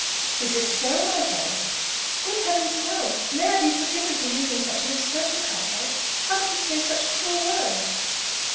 Is it so, my fairest?" "Good Heaven, no! May I be forgiven for using such an expression, Cartwright! How could you say such cruel words?"